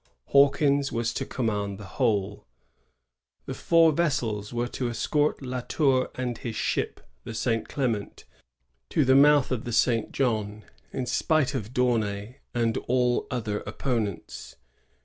Hawkins was to command the whole. The four vessels were to escort La Tour and his ship, the *^St. Clement," to the mouth of the St. John, in spite of D'Aunay and all other opponents.